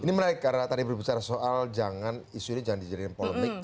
ini menarik karena tadi berbicara soal jangan isu ini jangan dijadikan polemik